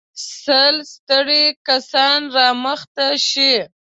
سل ستړي کسان را مخته شئ.